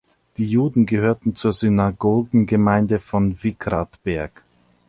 Die Juden gehörten zur Synagogengemeinde von Wickrathberg.